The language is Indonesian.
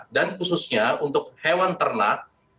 dan khususnya untuk hewan ternak